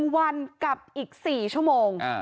วันกับอีก๔ชั่วโมง